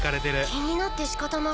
気になって仕方ない。